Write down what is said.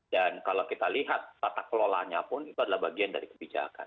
dan kalau kita lihat tata kelolanya pun itu adalah bagian dari kebijakan